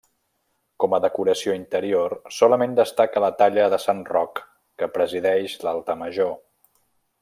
Com a decoració interior solament destaca la talla de Sant Roc que presideix l'altar major.